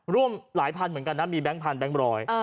ร่วมหลายพันเหมือนกันนะมีแก๊งพันแบงค์ร้อย